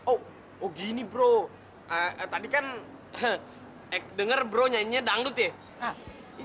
oh gini bro tadi kan eike denger bro nyanyinya dangdut ya